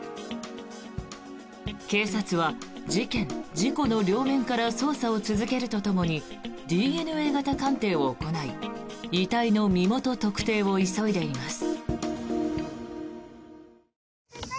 警察は事件・事故の両面から捜査を続けるとともにＤＮＡ型鑑定を行い遺体の身元特定を急いでいます。